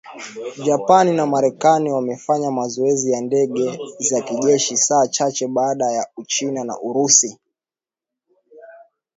Japan na Marekani wamefanya mazoezi ya ndege za kijeshi saa chache baada ya Uchina na Urusi.